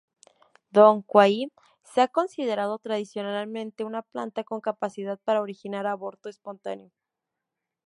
Dong Quai se ha considerado tradicionalmente una planta con capacidad para originar aborto espontáneo.